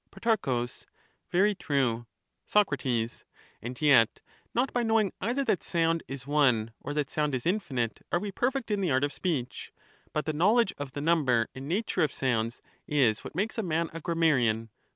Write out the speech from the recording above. Pro, Very true. Soc, And yet not by knowing either that sound is one or that sound is infinite are we perfect in the art of speech, but the knowledge of the number and nature of sounds is what makes a man a grammarian.